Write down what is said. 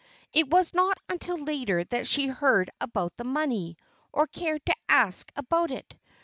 It was not until later that she heard about the money, or cared to ask about it.